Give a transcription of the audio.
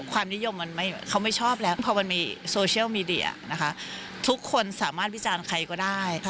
ความนิยมมันเขาไม่ชอบแล้วพอมันมีโซเชียลมีเดียนะคะทุกคนสามารถวิจารณ์ใครก็ได้